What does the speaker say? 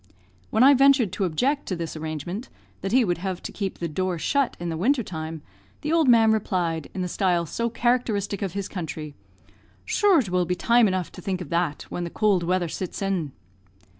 When I ventured to object to this arrangement, that he would have to keep the door shut in the winter time, the old man replied, in the style so characteristic of his country, "Shure it will be time enough to think of that when the could weather sets in."